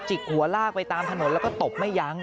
กหัวลากไปตามถนนแล้วก็ตบไม่ยั้ง